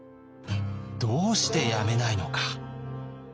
どうしてやめないのか？